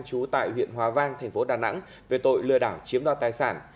trú tại huyện hóa vang thành phố đà nẵng về tội lừa đảo chiếm đo tài sản